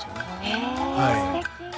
へえすてき。